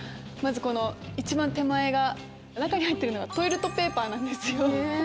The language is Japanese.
まずこの一番手前が中に入ってるのがトイレットペーパーなんですよ。